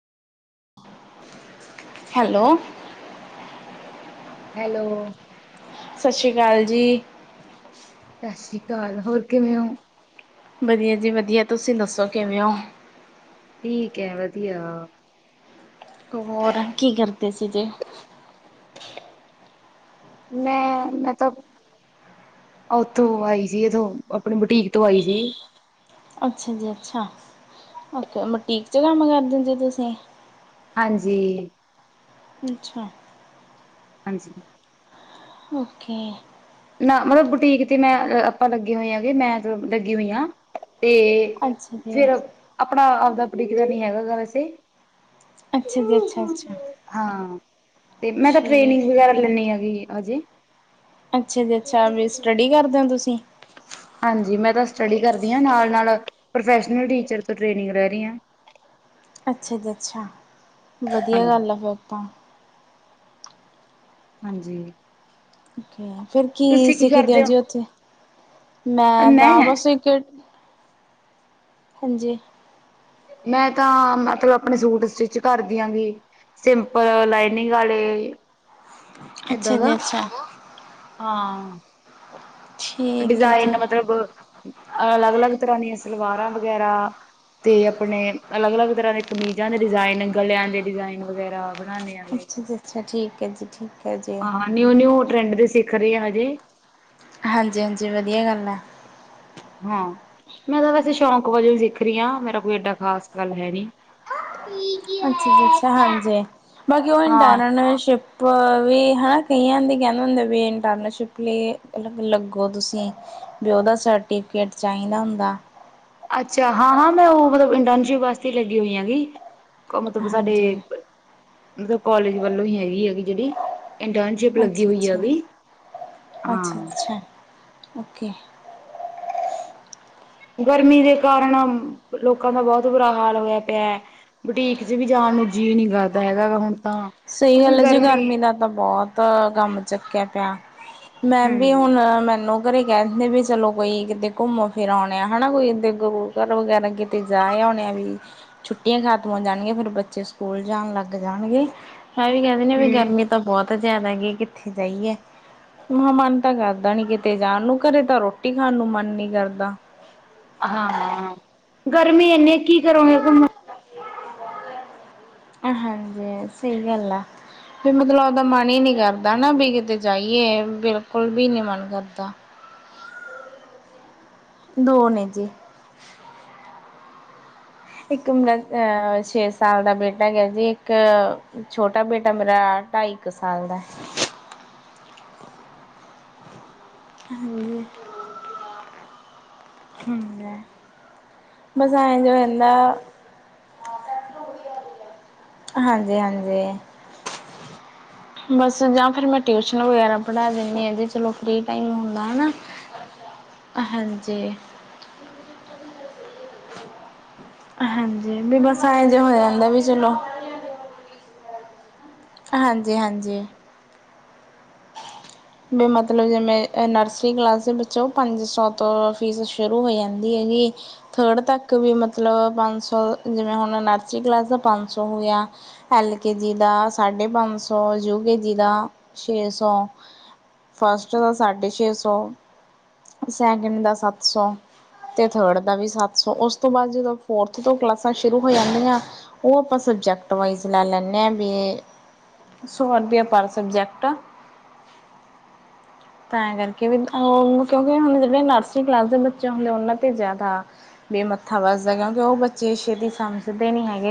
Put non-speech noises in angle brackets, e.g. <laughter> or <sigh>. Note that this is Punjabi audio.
ਹੈਲੋ? ਹੈਲੋ? ਸਤਿ ਸ਼੍ਰੀ ਅਕਾਲ ਜੀ। ਸਤਿ ਸ੍ਰੀ ਅਕਾਲ ਹੋਰ ਕਿਵੇਂ ਹੋ? ਵਧੀਆ, ਜੀ ਵਧੀਆ, ਤੁਸੀਂ ਦੱਸੋ ਕਿਵੇਂ ਹੋ? ਠੀਕ ਹੈ ਵਧੀਆ। ਹੋਰ ਕੀ ਕਰਦੇ ਸੀਗੇ? ਮੈਂ ਮੈਂ ਤਾਂ। ਓਥੋਂ ਆਈ ਸੀ, ਇਥੋਂ ਆਪਣੀ ਬੁਟੀਕ ਤੋਂ ਆਈ ਸੀ। ਅੱਛਾ, ਜੀ ਅੱਛਾ, ਓਕੇ ਬੂਟੀਕ 'ਚ ਕੰਮ ਕਰ ਦਿੰਦੇੇ ਤੁਸੀਂ? ਹਾਂਜੀ। ਅੱਛਾ। ਹਾਂਜੀ। ਓਕੇ। ਨਾ ਮਤਲਬ ਬੁਟੀਕ ਤੇ ਮੈਂ ਆਪਾਂ ਲੱਗੇ ਹੋਏ ਹੈਗੇ ਮੈਂ ਲੱਗੀ ਹੋਈ ਹਾਂ। ਤੇ ਅੱਛਾ ਜੀ ਫਿਰ ਆਪਣਾ ਆਪਦਾ ਪ੍ਰਕਿਰਿਆ ਨਹੀਂ ਹੈਗਾ ਗਾ ਵੈਸੇ। ਅੱਛਾ ਜੀ, ਅੱਛਾ, ਅੱਛਾ। ਹਾਂ ਤੇ ਮੈਂ ਤਾਂ ਟ੍ਰੇਨਿੰਗ ਠੀਕ ਵਗੈਰਾ ਲੈਨੀ ਹੈਗੀ ਅਜੇ। ਅੱਛਾ ਜੀ, ਅੱਛਾ ਵੀ ਸਟੱਡੀ ਕਰਦੇ ਹੋ ਤੁਸੀਂ? ਹਾਂਜੀ, ਮੈਂ ਤਾਂ ਸਟੱਡੀ ਕਰਦੀ ਹਾਂ ਨਾਲ ਨਾਲ ਪ੍ਰੋਫੈਸ਼ਨਲ ਟੀਚਰ ਤੋਂ ਟ੍ਰੇਨਿੰਗ ਲੈ ਰਹੀ ਹਾਂ। ਅੱਛਾ ਜੀ, ਅੱਛਾ, ਵਧੀਆ ਹਾਂਜੀ ਗੱਲ ਆ ਫਿਰ ਤਾਂ। ਹਾਂਜੀ। ਓਕੇ ਫਿਰ ਕੀ ਸਿੱਖਦੇ ਹੋ ਜੀ ਉੱਥੇ? ਮੈਂ ਤਾਂ ਬਸ ਇੱਕ ਹਾਂਜੀ ਮੈਂ ਤਾਂ ਮਤਲਬ ਆਪਣੇ ਸੂਟ ਸਟਿਚ ਕਰਦੀ ਆਗੀ। ਸਿੰਪਲ ਲਾਈਨਿੰਗ ਵਾਲੇ ਏਦਾਂ ਅੱਛਾ ਦਾ ਜੀ ਅੱਛਾ ਹਾਂ। ਠੀਕ ਹੈ ਡਿਜ਼ਾਇਨ ਜੀ ਮਤਲਬ ਅਲੱਗ ਅਲੱਗ ਤਰ੍ਹਾਂ ਦੀਆਂ ਸਲਵਾਰਾਂ ਵਗੈਰਾ। ਤੇ ਆਪਣੇ ਅਲੱਗ ਅਲੱਗ ਤਰ੍ਹਾਂ ਦੇ ਕਮੀਜ਼ਾਂ ਦੇ ਡਿਜ਼ਾਇਨ ਗਲਿਆਂ ਦੇ ਡਿਜਾਇਨ ਵਗੈਰਾ ਬਣਾਨੇ ਆ। ਅੱਛਾ ਜੀ ਅੱਛਾ ਠੀਕ ਹੈ ਜੀ ਠੀਕ ਹੈ ਜੀ। ਹਾਂ ਨਿਊ ਨਿਊ ਟਰੈਂਡ ਦੇ ਸਿੱਖ ਰਹੇ ਆ ਹਜੇ। ਹਾਂਜੀ, ਹਾਂਜੀ, ਵਧੀਆ ਗੱਲ ਹੈ। ਹਾਂ। ਮੈਂ ਤਾਂ ਵੈਸੇ ਸ਼ੌਂਕ ਵਜੋਂ ਵੀ ਸਿੱਖ ਰਹੀ ਹਾਂ ਮੇਰਾ ਕੋਈ ਏਡਾ ਖਾਸ ਗੱਲ ਹੈ ਨੀ। ਹਾਂ ਜੀ ਅੱਛਾ ਅੱਛਾ ਹਾਂਜੀ ਬਾਕੀ ਉਹ ਹਾਂ ਇੰਟਰਨਸ਼ਿਪ ਵੀ ਹਨਾ ਕਈਆਂ ਦੇ ਕਹਿੰਦੇ ਹੁੰਦੇ ਵੀ ਇੰਟਰਨਸ਼ਿਪ ਲਈ ਲੱਗੋ ਤੁਸੀ। ਵੀ ਉਹਦਾ ਸਰਟੀਫਿਕੇਟ ਚਾਹੀਦਾ ਹੁੰਦਾ। ਅੱਛਾ ਹਾਂ-ਹਾਂ ਮੈਂ ਉਹ ਮਤਲਬ ਇੰਟਰਨਸ਼ਿਪ ਵਾਸਤੇ ਲੱਗੀ ਹੋਈ ਆ ਗੀ। ਮਤਲਬ ਸਾਡੇ ਹਾਂਜੀ। ਮਤਲਬ ਕਾਲਜ ਵੱਲੋਂ ਹੀ ਹੈਗੀ ਹੈ ਗੀ। ਜਿਹੜੀ ਇੰਟਰਨਸ਼ਿਪ ਲੱਗੀ ਅੱਛਾ ਹੋਈ ਆ ਅੱਛਾ ਵੀ ਹਾਂ। ਅੱਛਾ ਅੱਛਾ ਓਕੇ। ਗਰਮੀ ਦੇ ਕਾਰਨ ਲੋਕਾਂ ਦਾ ਬਹੁਤ ਬੁਰਾ ਹਾਲ ਹੋਇਆ ਪਿਆ। ਬੁਟੀਕ ਚ ਵੀ ਜਾਣ ਨੂੰ ਜੀਅ ਨੀ ਕਰਦਾ ਹੈਗਾ ਗਾ ਹੁਣ ਤਾਂ ਸਹੀ ਕਿਉਂਕਿ ਗੱਲ ਹੈ ਜੀ ਗਰਮੀ ਦਾ ਤਾਂ ਬਹੁਤ ਗਮ ਚੱਕਿਆ ਪਿਆ। ਮੈਂਮ ਵੀ ਹੁਣ ਹੂੰ-ਹੂੰ ਮੈਨੂੰ ਘਰੇ ਇਹ ਕਹਿੰਦੇ ਵੀ ਚਲੋ ਕੋਈ ਕਿਤੇ ਘੁੰਮੋ ਫਿਰ ਆਉਂ ਆ ਹਨਾ ਕੋਈ ਇੱ ਗੁਰੂ ਘਰ ਵਗੈਰਾ ਕਿਤੇ ਜਾ ਆ ਵੀ ਛੁੱਟੀਆਂ ਖ਼ਤਮ ਹੋ ਜਾਣਗੀਆਂ ਫੇਰ ਬੱਚੇ ਸਕੂਲ ਜਾਣ ਲੱਗ ਜਾਣਗੇ। ਹੈ ਵੀ ਕਹਿੰਦੇ ਨੇ ਵੀ ਗਰਮੀ ਤਾਂ ਬਹੁਤ ਜ਼ਿਆਦਾ ਹੈਗੀ ਕਿੱਥੇ ਜਾਈਏ। ਮ ਮਨ ਤਾਂ ਕਰਦਾ ਨੀ ਕਿਤੇ ਜਾਣ ਨੂੰ ਘਰੇ ਤਾਂ ਰੋਟੀ ਖਾਣ ਨੂੰ ਮਨ ਨੀ ਕਰਦਾ। ਹਾਂ ਗਰਮੀ ਇੰਨੀੇ ਕੀ ਕਰੋਂਗੇ ਘੁੰਮ ਹਾਂਜੀ ਸਹੀ ਗੱਲ ਆ। ਵੀ ਮਤਲਬ ਆਪਦਾ ਮਨ ਹੀ ਨੀ ਕਰਦਾ ਨਾ ਵੀ ਕਿਤੇ ਜਾਈਏ ਬਿਲਕੁਲ ਵੀ ਨੀ ਮਨ ਕਰਦਾ। ਦੋ ਨੇ ਜੀ। ਇੱਕ ਮੇਰਾ ਅਹ ਛੇ ਸਾਲ ਦਾ ਬੇਟਾ ਗਿਆ ਜੀ ਇੱਕ ਛੋਟਾ ਬੇਟਾ ਮੇਰਾ ਢਾਈ ਕੁ ਸਾਲ ਦਾ। ਹਾਂਜੀ ਹ <unintelligible> ਹਾਂਜੀ-ਹਾਂਜੀ ਬਸ ਜਾਂ ਫਿਰ ਮੈਂ ਟਿਊਸ਼ਨ ਵਗੈਰਾ ਪੜ੍ਹਾ ਦਿੰਦੀ ਆ ਜ ਚਲੋ ਫ੍ਰੀ ਟਾਈਮ ਹੁੰਦਾ ਹਨਾ। ਹਾਂਜੀ ਹਾਂਜੀ ਵੀ ਬਸ ਐ ਜਿ ਹੋ ਜਾਂਦਾ ਵੀ ਚਲੋ ਹਾਂਜੀ-ਹਾਂਜੀ ਵੀ ਮਤਲਬ ਜਿਵੇਂ ਨਰਸਰੀ ਕਲਾਸ ਦੇ ਵਿੱਚੋਂ ਪੰਜ ਸੌ ਤੋਂ ਫੀਸ ਸ਼ੁਰੂ ਹੋ ਜਾਂਦੀ ਹੈ। ਵੀ ਥਰਡ ਤੱਕ ਵੀ ਮਤਲਬ ਪੰਜ ਸੌ ਜਿਵੇਂ ਹੁਣ ਨਰਸਰੀ ਕਲਾਸ ਦਾ ਪੰਜ ਸੌ ਹੋ ਗਿਆ। ਐਲ ਕੇ ਜੀ ਦਾ ਸਾਢੇ ਪੰਜ ਸੌ, ਯੂ ਕੇ ਜੀ ਦਾ ਛੇ ਸੌ। ਫਸਟ ਦਾ ਸਾਢੇ ਛੇ ਸੌ, ਸੈਕਿੰਡ ਦਾ ਸੱਤ ਸੌ। ਤੇ ਥਰਡ ਦਾ ਵੀ ਸੱਤ ਸੋ ਉਸ ਤੋਂ ਬਾਅਦ ਜਦੋਂ ਫੋਰਥ ਤੋਂ ਕਲਾਸਾਂ ਸ਼ੁਰੂ ਹੋ ਜਾਂਦੀਆਂ ਉਹ ਆਪਾਂ ਸਬਜੈਕਟ ਵਾਈਜ ਲੈ ਲੈਦੇ ਹਾਂ ਵੀ ਸੌ ਰੁਪਇਆ ਪਰ ਸਬਜੈਕਟ। ਤਾਂ ਕਰਕੇ ਵੀ ਕਿਉਂਕਿ ਹੁਣ ਜਿਹੜੇ ਨਰਸਰੀ ਕਲਾਸ ਦੇ ਬੱਚੇ ਹੁੰਦੇ ਉਹਨਾਂ ਤੇ ਜਾਦਾ ਬੇਮੱਥਾ ਵਸਦਾ ਕਿਉਂਕਿ ਉਹ ਬੱਚੇ ਛੇਤੀ ਸਮਝਦੇ ਨੀ ਹੈਗੇ।